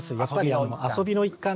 遊びの一環？